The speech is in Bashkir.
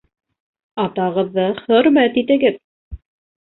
Атағыҙҙы хөрмәт итегеҙ.